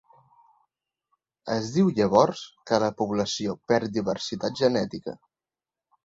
Es diu, llavors, que la població perd diversitat genètica.